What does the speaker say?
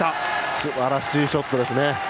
すばらしいショットですね。